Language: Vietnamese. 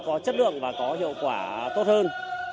có chất lượng và có hiệu quả tốt hơn